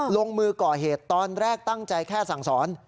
ลงมือก่อเหตุตอนแรกตั้งใจแค่สั่งสอน